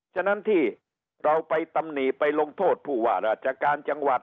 ฉะนั้นที่เราไปตำหนิไปลงโทษผู้ว่าราชการจังหวัด